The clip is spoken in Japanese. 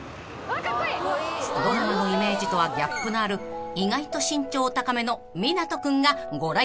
［ドラマのイメージとはギャップのある意外と身長高めの湊斗君がご来店］